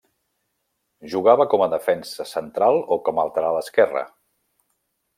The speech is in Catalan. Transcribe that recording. Jugava com a defensa central o com a lateral esquerre.